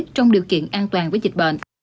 trong điều kiện an toàn với dịch bệnh